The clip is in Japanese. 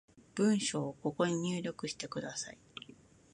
文章をここに入力してください